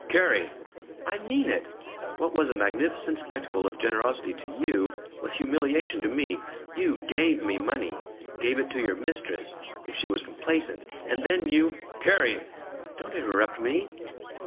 "Carrie!" "I mean it! What was a magnificent spectacle of generosity to you was humiliation to me. You GAVE me money gave it to your mistress, if she was complaisant, and then you " "Carrie!" "(Don't interrupt me!)